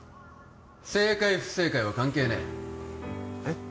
正解不正解は関係ねええっ？